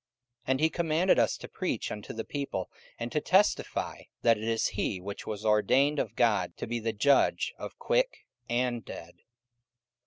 44:010:042 And he commanded us to preach unto the people, and to testify that it is he which was ordained of God to be the Judge of quick and dead.